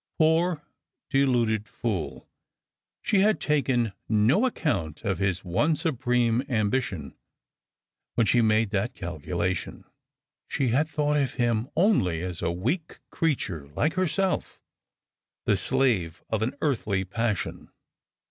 Poor deluded fool! she had taken no aujount of his one supreme ambition when she made that calculation; she had thought of him only as a weak creature like herself, the slave of an earthly passion.